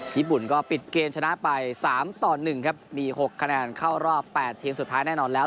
ญี่ปุ่นก็ปิดเกมชนะไป๓ต่อ๑ครับมี๖คะแนนเข้ารอบ๘ทีมสุดท้ายแน่นอนแล้ว